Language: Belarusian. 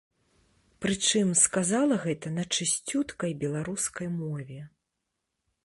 Прычым, сказала гэта на чысцюткай беларускай мове.